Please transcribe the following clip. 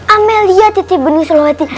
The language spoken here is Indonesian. amelia titip bening selawati